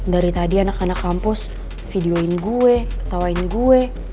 dari tadi anak anak kampus videoin gue ketawain gue